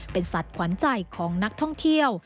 เป็นสัตว์ขวัญใจของนักท่องเที่ยว